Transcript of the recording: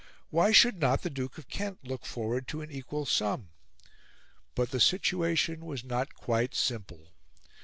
Why should not the Duke of Kent look forward to an equal sum? But the situation was not quite simple.